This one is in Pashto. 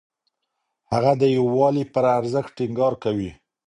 هغه د يووالي پر ارزښت ټينګار کوي.